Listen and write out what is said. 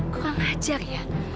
kurang ajar ya